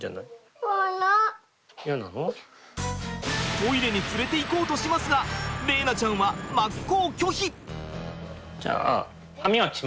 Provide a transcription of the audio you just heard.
トイレに連れていこうとしますが玲菜ちゃんは真っ向拒否。